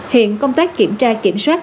hiện công tác kiểm tra kiểm soát